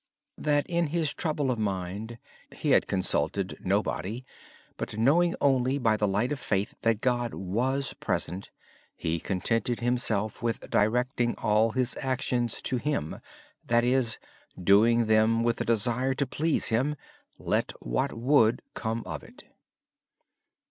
In his trouble of mind, Brother Lawrence had consulted no one. Knowing only by the light of faith that God was present, he contented himself with directing all his actions to Him. He did everything with a desire to please Him and let what would come of it.